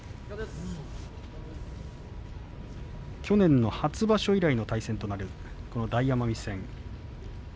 去年の初場所以来の対戦となるこの大奄美戦。